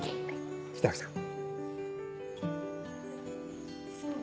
北脇さん。